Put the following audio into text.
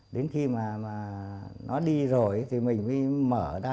đến khi mà nó đi rồi thì mình mới mở ra